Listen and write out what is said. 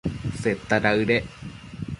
Seta daëdec